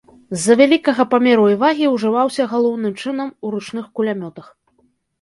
З-за вялікага памеру і вагі, ўжываўся галоўным чынам у ручных кулямётах.